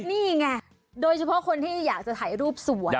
นี่ไงโดยเฉพาะคนที่อยากจะถ่ายรูปสวย